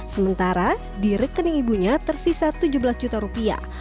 sementara di rekening ibunya tersisa tujuh belas juta rupiah